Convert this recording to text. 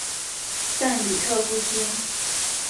但李特不听。